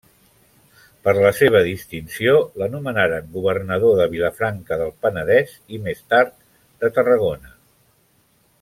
Per la seva distinció, l’anomenaren governador de Vilafranca del Penedès i, més tard, de Tarragona.